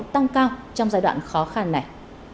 tăng cao trong giai đoạn khó khăn này